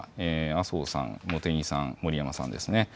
麻生さん、茂木さん、森山さんですね。